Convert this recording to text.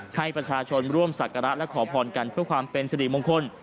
ให้ประชาชนร่วมศักระและขอพรกันเพื่อความเป็นสิริมงคล